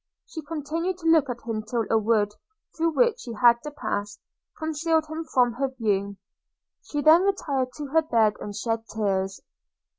She continued to look at him till a wood, through which he had to pass, concealed him from her view. She then retired to her bed, and shed tears.